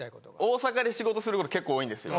大阪で仕事すること結構多いんですよ。